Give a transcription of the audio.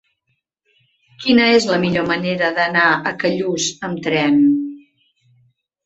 Quina és la millor manera d'anar a Callús amb tren?